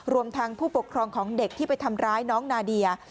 รวมทั้งผู้ปกครองของเด็กที่ไปทำร้ายน้องนาเดีย